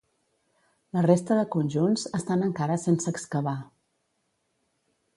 La resta de conjunts estan encara sense excavar.